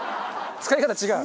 使い方違う！